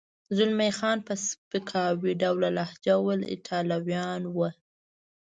زلمی خان په سپکاوي ډوله لهجه وویل: ایټالویان و.